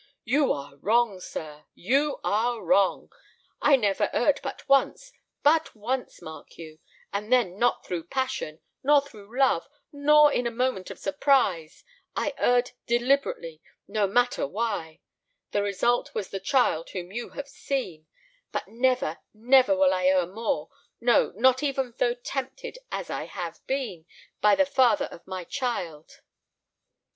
You are wrong, sir—you are wrong. I never erred but once—but once, mark you;—and then not through passion—nor through love—nor in a moment of surprise. I erred deliberately—no matter why. The result was the child whom you have seen. But never, never will I err more—no, not even though tempted, as I have been, by the father of my child!